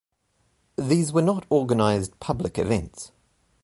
These were not organized public events.